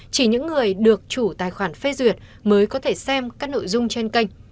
chỉ những người được chủ tài khoản facebook mới có thể xem các nội dung trên kênh